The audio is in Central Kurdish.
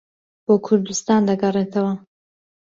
بۆ کوردستان دەگەڕێتەوە